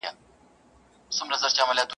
نن دي لا په باغ کي پر ګلڅانګه غزلخوان یمه !.